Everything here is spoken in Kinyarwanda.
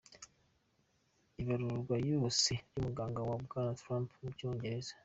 Ibaruwa yose y'umuganga wa Bwana Trump mu Cyongereza:.